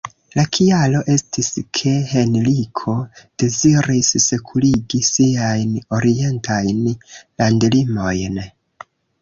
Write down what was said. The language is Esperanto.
La kialo estis ke Henriko deziris sekurigi siajn orientajn landlimojn.